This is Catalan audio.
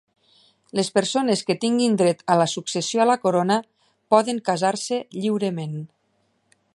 Les persones que tinguin dret a la successió a la Corona poden casar-se lliurement.